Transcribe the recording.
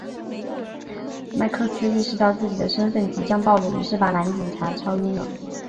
麦克斯意识到自己的身份即将暴露于是把男警察敲晕了。